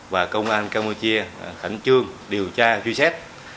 và công an campuchia khẳng trương điều tra truy xét